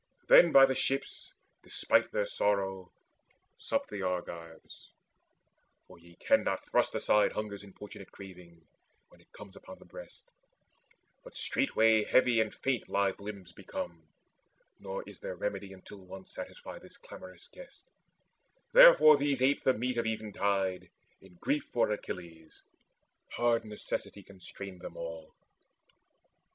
Then by the ships, despite their sorrow, supped The Argives, for ye cannot thrust aside Hunger's importunate craving, when it comes Upon the breast, but straightway heavy and faint Lithe limbs become; nor is there remedy Until one satisfy this clamorous guest Therefore these ate the meat of eventide In grief for Achilles' hard necessity Constrained them all.